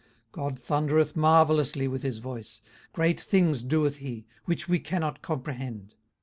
18:037:005 God thundereth marvellously with his voice; great things doeth he, which we cannot comprehend.